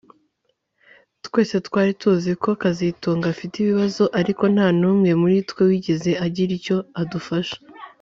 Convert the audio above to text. Twese twari tuzi ko kazitunga afite ibibazo ariko ntanumwe muri twe wigeze agira icyo adufasha